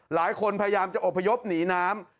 หลายคนพยายามจะอพยพหนีน้ำ